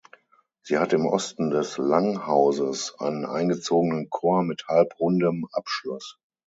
Sie hat im Osten des Langhauses einen eingezogenen Chor mit halbrundem Abschluss.